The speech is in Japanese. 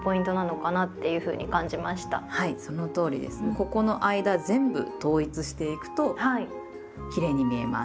ここの間全部統一していくときれいに見えます。